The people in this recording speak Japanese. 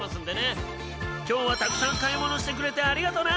今日はたくさん買い物してくれてありがとな！